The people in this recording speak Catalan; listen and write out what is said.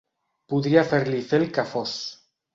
Podria fer-li fer el que fos.